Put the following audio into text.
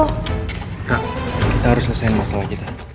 udah kita harus selesain masalah kita